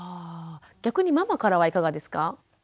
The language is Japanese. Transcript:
逆にママからはいかがですか？